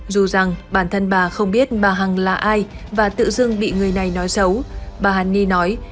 dù rằng bản thân bà không biết bà hằng là ai và tự dưng bị người này nói xấu bà hàn ni nói